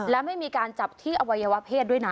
และไม่มีการจับที่อวัยวะเพศด้วยนะ